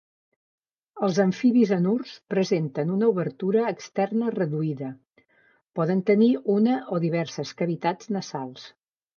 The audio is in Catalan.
Els amfibis anurs presenten una obertura externa reduïda, poden tenir una o diverses cavitats nasals.